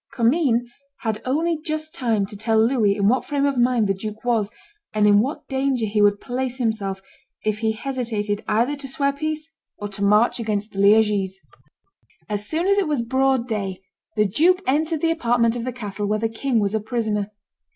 Commynes had only just time to tell Louis in what frame of mind the duke was, and in what danger he would place himself, if he hesitated either to swear peace or to march against the Liegese. As soon as it was broad day, the duke entered the apartment of the castle where the king was a prisoner.